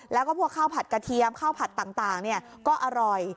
แล้วก็พวกข้าวผัดกระเทียมข้าวผัดต่างก็อร่อย